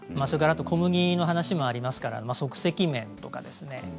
それから小麦の話もありますから即席麺とかですね。